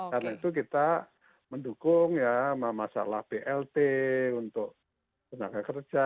karena itu kita mendukung ya masalah blt untuk tenaga kerja